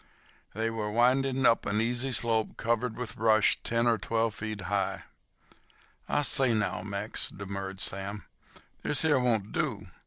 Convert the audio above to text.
They were winding up an easy slope covered with brush ten or twelve feet high. "I say now, Mex," demurred Sam, "this here won't do.